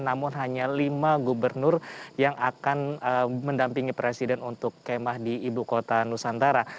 namun hanya lima gubernur yang akan mendampingi presiden untuk kemah di ibu kota nusantara